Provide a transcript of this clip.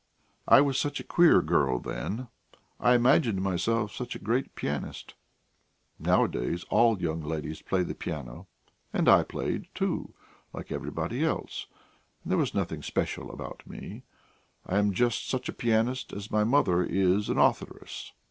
I was such a queer girl then; I imagined myself such a great pianist. Nowadays all young ladies play the piano, and I played, too, like everybody else, and there was nothing special about me. I am just such a pianist as my mother is an authoress.